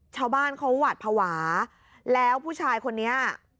ชาวบ้านเขาหวาดภาวะแล้วผู้ชายคนนี้